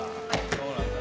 そうなんだ。